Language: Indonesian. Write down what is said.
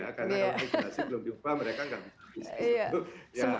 karena kalau regulasi belum diubah mereka nggak bisa